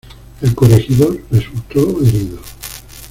El corregidor resultó herido.